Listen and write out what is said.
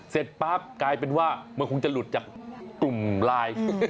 เสร็จปั๊บกลายเป็นว่ามันคงจะหลุดจากกลุ่มไลน์